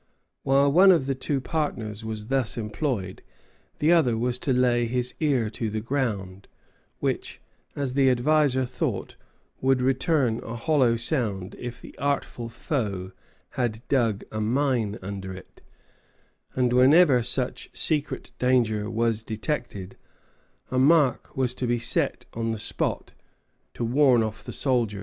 While one of the two partners was thus employed, the other was to lay his ear to the ground, which, as the adviser thought, would return a hollow sound if the artful foe had dug a mine under it; and whenever such secret danger was detected, a mark was to be set on the spot, to warn off the soldiers.